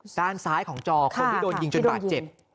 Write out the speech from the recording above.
นู่นอยู่ข้างจอคนที่โดนยิงจนบาดเจ็บ